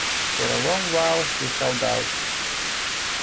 For a long while he held out.